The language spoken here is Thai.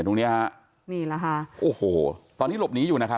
นี่ล่ะค่ะโอ้โหตอนนี้หลบหนีอยู่นะครับ